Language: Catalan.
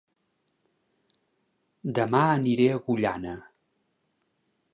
Dema aniré a Agullana